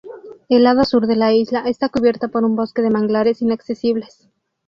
El lado sur de la isla está cubierta por un bosque de manglares inaccesibles.